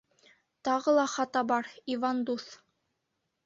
— Тағы ла хата бар, Иван дуҫ!